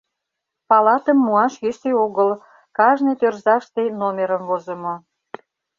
Палатым муаш йӧсӧ огыл, кажне тӧрзаште номерым возымо.